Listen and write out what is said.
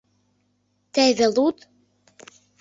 — Теве луд!